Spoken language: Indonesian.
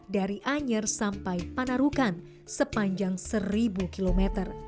dari anyer sampai panarukan sepanjang seribu km